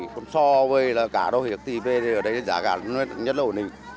con sò với cá đâu tỉ lệ ở đây giá cả nhất là ổn định